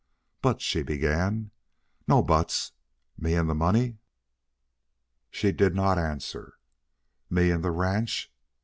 "But " she began. "No buts. Me and the money?" She did not answer. "Me and the ranch?"